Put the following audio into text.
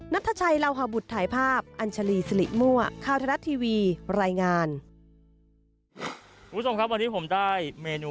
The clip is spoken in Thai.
นัทชัยลาวบุตรถ่ายภาพอัญชลีสิริมั่ว